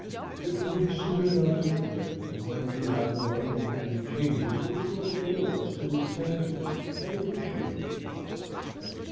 It will be soon enough to forget them when we have the learning and the genius which will enable us to attend to and appreciate them.